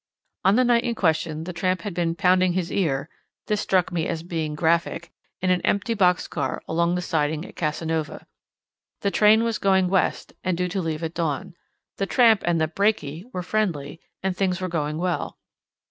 On the night in question the tramp had been "pounding his ear"—this stuck to me as being graphic—in an empty box car along the siding at Casanova. The train was going west, and due to leave at dawn. The tramp and the "brakey" were friendly, and things going well.